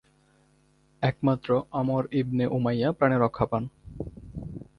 একমাত্র Amr ibn Umayya প্রাণে রক্ষা পান।